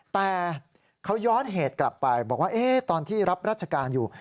แต่เขาย้อนเหตุกลับไปบอกว่าตอนที่รับราชการอยู่